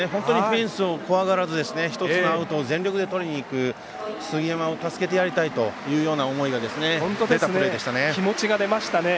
フェンスを怖がらず１つのアウトを全力でとりにいく杉山を助けてやりたいという思いが出たプレーでしたね。